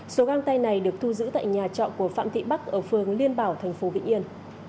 số găng tay này được thu giữ tại nhà trọ của phạm thị bắc ở phường liên bảo thành phố vĩnh yên